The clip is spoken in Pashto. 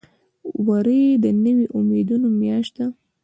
وری د نوي امیدونو میاشت ده.